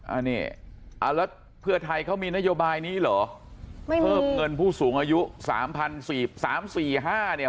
อันนี้เอาแล้วเพื่อไทยเขามีนโยบายนี้เหรอไม่เพิ่มเงินผู้สูงอายุสามพันสี่สามสี่ห้าเนี่ย